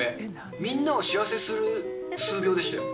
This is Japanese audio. みんなを幸せにする数秒でしたよ。